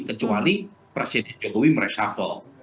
kecuali presiden jokowi meresafel